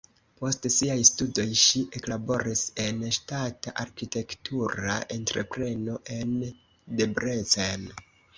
Post siaj studoj ŝi eklaboris en ŝtata arkitektura entrepreno en Debrecen.